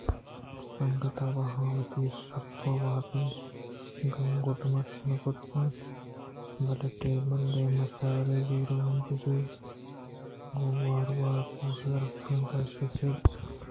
انگتءَ آہاں وتی شپءِ وابی گُدمٹ نہ کُتگ اِت اَنت بلئے ٹبیل ءِ دیمے چادر ءِ زُورگ ءَ پہ زوت گوں گوٛر ءِ کوٹ ءَ درکپت تاں کہ ایشی ءَ چہ چگل دیگ ءَ رکّینت بہ کنت